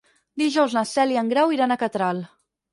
Dijous na Cel i en Grau iran a Catral.